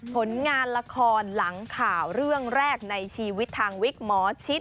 ผลงานละครหลังข่าวเรื่องแรกในชีวิตทางวิกหมอชิด